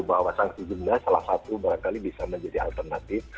bahwa sanksi denda salah satu barangkali bisa menjadi alternatif